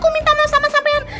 aku minta maaf sama sama yang